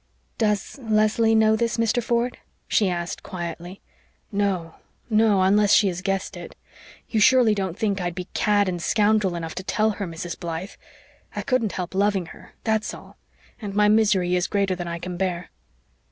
"Does Leslie know this, Mr. Ford?" she asked quietly. "No no, unless she has guessed it. You surely don't think I'd be cad and scoundrel enough to tell her, Mrs. Blythe. I couldn't help loving her that's all and my misery is greater than I can bear."